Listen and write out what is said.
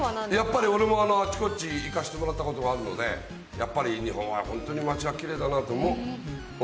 やっぱり俺もあっちこっち行かせてもらったことがあるので、やっぱり日本は本当に町はきれいだなと思う。